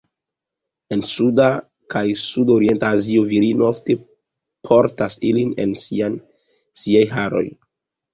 En suda kaj sudorienta Azio, virinoj ofte portas ilin en siaj haroj.